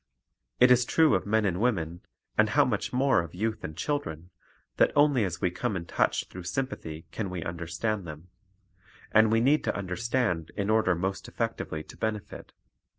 It is true of men and women, and how much more of youth and children, that only as we come in touch through sympathy can we understand them; and we need to understand in order most effectively to benefit.